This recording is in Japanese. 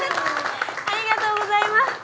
ありがとうございます！